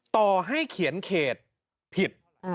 ต่อให้เขียนเขตผิด